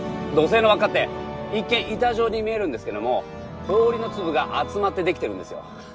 土星の環っかって一見板状に見えるんですけども氷の粒が集まってできてるんですよ。